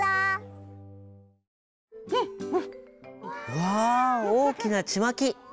うわおおきなちまき。